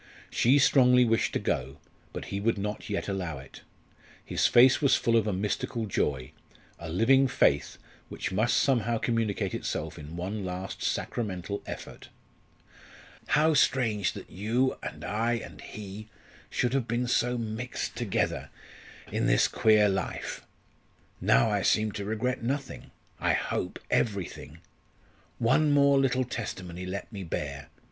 She strongly wished to go; but he would not yet allow it. His face was full of a mystical joy a living faith, which must somehow communicate itself in one last sacramental effort. "How strange that you and I and he should have been so mixed together in this queer life. Now I seem to regret nothing I hope everything. One more little testimony let me bear!